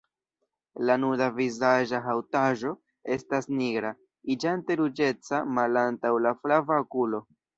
La nuda vizaĝa haŭtaĵo estas nigra, iĝante ruĝeca malantaŭ la flava okulo.